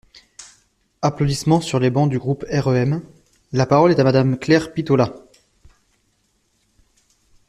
(Applaudissements sur les bancs du groupe REM.) La parole est à Madame Claire Pitollat.